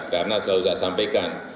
karena saya usah sampaikan